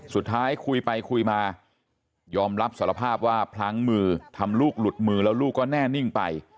สุดท้ายคุยไปคุยมายอมรับสารภาพว่าพลั้งมือทำลูกหลุดมือแล้วลูกก็แน่นิ่งไป